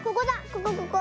ここここ。